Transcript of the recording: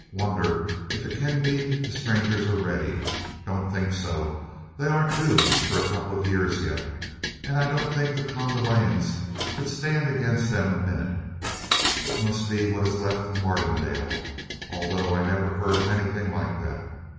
Wonder if it can be the strangers already? Don't think so they aren't due for a couple of years yet, and I don't think the Kondalians could stand against them a minute. It must be what is left of Mardonale, although I never heard of anything like that.